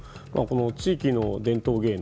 地域の伝統芸能